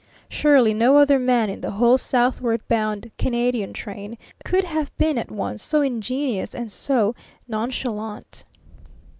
Surely no other man in the whole southward bound Canadian train could have been at once so ingenuous and so nonchalant.